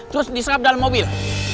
terus diserap dalam mobil